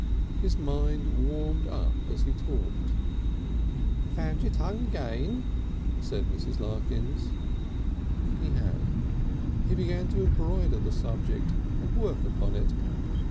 His mind warmed up as he talked. "Found your tongue again," said Mrs. Larkins. He had. He began to embroider the subject and work upon it.